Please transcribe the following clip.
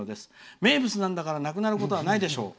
名物なんだから、なくなることはないでしょう」。